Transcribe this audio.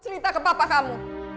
cerita ke papa kamu